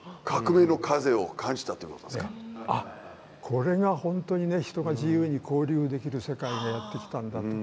これが本当にね人が自由に交流できる世界がやって来たんだと。